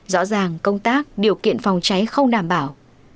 rõ ràng công tác điều kiện phòng cháy không đảm bảo